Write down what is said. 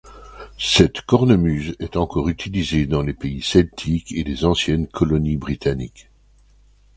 Cette cornemuse est encore utilisée dans les pays celtiques et les anciennes colonies britanniques.